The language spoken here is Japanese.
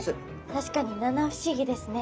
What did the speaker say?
確かに七不思議ですね。